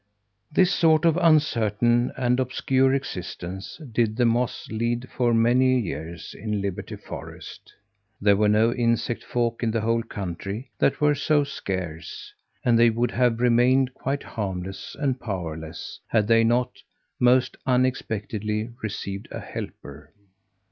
This sort of uncertain and obscure existence did the moths lead for many years in Liberty Forest. There were no insect folk in the whole country that were so scarce, and they would have remained quite harmless and powerless had they not, most unexpectedly, received a helper.